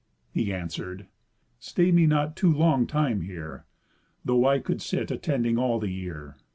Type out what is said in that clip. He answer'd: "Stay me not too long time here, Though I could sit attending all the year.